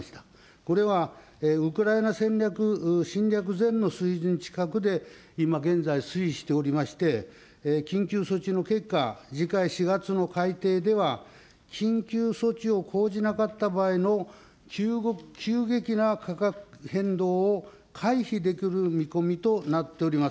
これはウクライナ戦略、侵略前の水準近くで今現在、推移しておりまして、緊急措置の結果、次回４月の改定では、緊急措置を講じなかった場合の急激な価格変動を回避できる見込みとなっております。